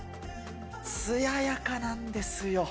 つややかなんですよ。